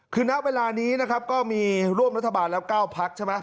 คือณเวลานี้นะครับก็มีร่วมรัฐบาลแล้ว๙พักใช่ไหม